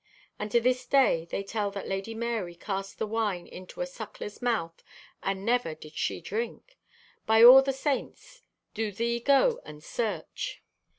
And to this day they tell that Lady Marye cast the wine into a suckler's mouth and never did she drink! "By all the saints! Do thee go and search!"